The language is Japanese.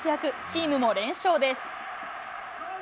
チームも連勝です。